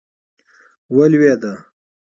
ولوېده.